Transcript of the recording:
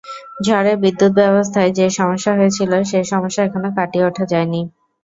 ঝড়ে বিদ্যুত ব্যবস্থায় যে সমস্যা হয়েছিল সে সমস্যা এখনো কাটিয়ে ওঠা যায় নি।